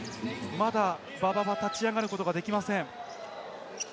まだ馬場は立ち上がることができません。